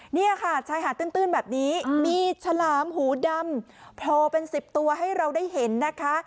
นี่ค่ะชายหาดตื้นแบบนี้มีฉลามหูดำโผล่เป็น๑๐ตัวให้เราได้เห็นนะคะ